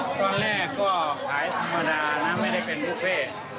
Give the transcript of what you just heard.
ตอนแรกก็ขายธรรมดานะไม่ได้เป็นบุฟเฟ่